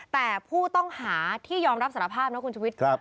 แต่ผู้ต้องหาที่ยอมรับสารภาพนะคุณชุวิต